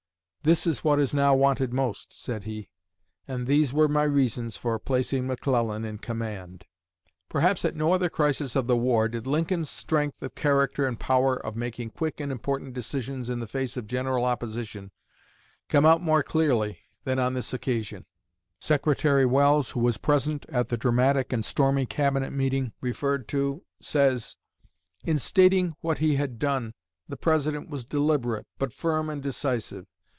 "This is what is now wanted most," said he, "and these were my reasons for placing McClellan in command." Perhaps at no other crisis of the war did Lincoln's strength of character and power of making quick and important decisions in the face of general opposition, come out more clearly than on this occasion. Secretary Welles, who was present at the dramatic and stormy Cabinet meeting referred to, says: "In stating what he had done, the President was deliberate, but firm and decisive.